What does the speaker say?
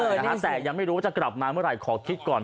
เนื้อนะคะแต่ยังไม่รู้จะกลับมาเมื่อไรค่อยคิดก่อน